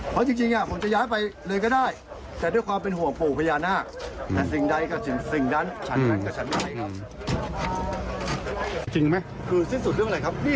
คือสิ่งสุดเรื่องอะไรครับนี่เขามาโทรกผมตรงข้างนี้พี่